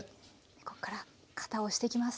こっから型を押していきます。